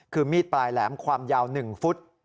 คือมีดปลายแหลมความยาว๑ฟุต